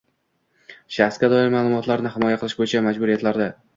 shaxsga doir ma’lumotlarni himoya qilish bo‘yicha majburiyatlari